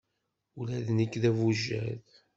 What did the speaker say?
Ula d nekk d abujad.